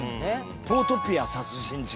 『ポートピア殺人事件』。